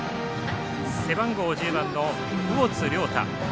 背番号１０番の魚津颯汰。